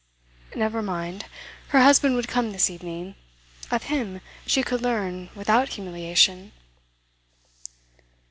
Never mind. Her husband would come this evening. Of him she could learn without humiliation.